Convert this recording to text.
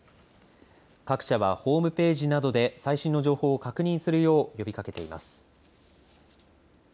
各社はホームページなどで最新の情報を確認するよう呼びかけています。